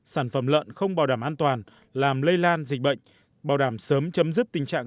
sản phẩm lợn không bảo đảm an toàn làm lây lan dịch bệnh bảo đảm sớm chấm dứt tình trạng